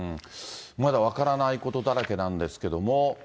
まだ分からないことだらけなんですけれども。